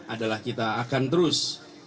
adalah kita akan terus